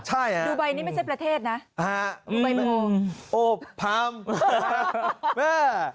ใช่น่ะโดยใบนี้ไม่ใช่ประเทศนะใบงงโอ๊ะพร้ำ